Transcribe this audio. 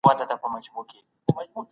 که د وګړو شمېر زیات سي عاید کمېدای سي.